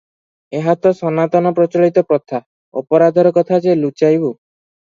ଏହା ତ ସନାତନ ପ୍ରଚଳିତ ପ୍ରଥା, ଅପରାଧର କଥା ଯେ ଲୁଚାଇବୁ?